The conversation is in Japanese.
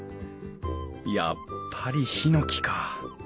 やっぱりヒノキか。